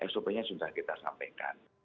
sop nya sudah kita sampaikan